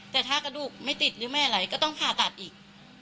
แต่ถ้ากระดูกไม่ติดหรือไม่ไหลก็ต้องผ่าตัดอีก